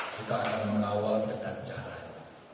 kita akan menawar dengan jarak